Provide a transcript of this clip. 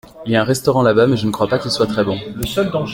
Il y a un restaurant là-bas, mais je ne crois pas qu’il soit très bon.